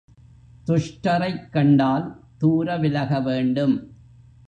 துஷ்டரைக் கண்டால் தூர விலகவேண்டும்.